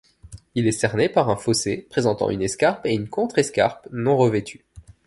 Il est cerné par un fossé présentant une escarpe et une contrescarpe non revêtues.